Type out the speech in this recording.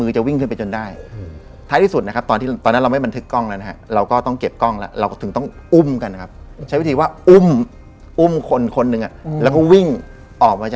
จนที่บ้านเนี่ย